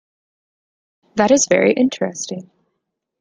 That is very interesting.